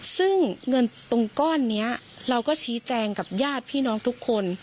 ซึ่งเงินตรงก้อนนี้เราก็ชี้แจงกับญาติพี่น้องทุกคน